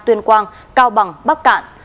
tuyên quang cao bằng bắc cạn